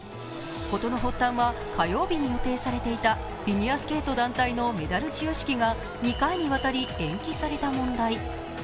事の発端は火曜日に予定されていたフィギュアスケート団体のメダル授与式が２回にわたり延期された問題。